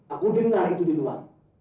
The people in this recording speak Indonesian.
aku dengar itu di luar